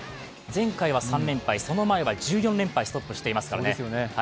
前回は３連敗、その前は１４連敗ストップしていますからね。